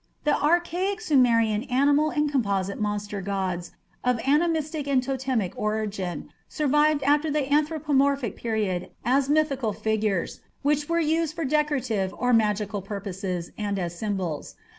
The archaic Sumerian animal and composite monster gods of animistic and totemic origin survived after the anthropomorphic period as mythical figures, which were used for decorative or magical purposes and as symbols.